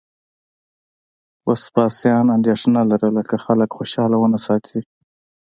وسپاسیان اندېښنه لرله که خلک خوشاله ونه ساتي